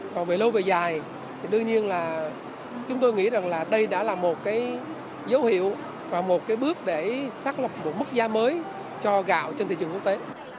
còn về lâu về dài thì đương nhiên là chúng tôi nghĩ rằng là đây đã là một cái dấu hiệu và một cái bước để xác lập một mức giá mới cho gạo trên thị trường quốc tế